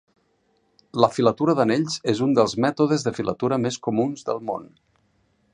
La filatura d'anells és un dels mètodes de filatura més comuns del món.